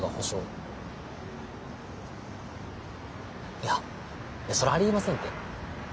いやそれはありえませんって。